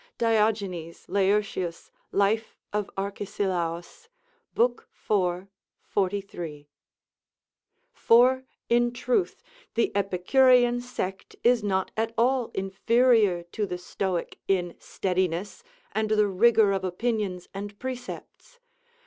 [Diogenes Laertius, Life of Archesilaus, lib. iv., 43.] For, in truth, the Epicurean sect is not at all inferior to the Stoic in steadiness, and the rigour of opinions and precepts.